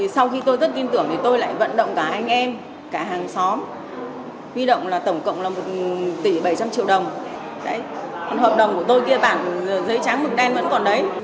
sau khi tôi tất tin tưởng thì tôi lại vận động cả anh em cả hàng xóm vi động là tổng cộng là một tỷ bảy trăm linh triệu đồng hợp đồng của tôi kia bản giấy trắng mực đen vẫn còn đấy